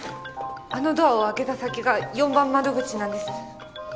あのドアを開けた先が４番窓口なんです。